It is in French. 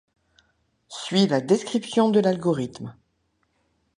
Suit la description de l'algorithme.